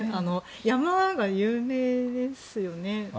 山が有名ですよね。